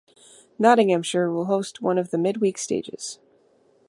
Nottinghamshire will host one of the midweek stages.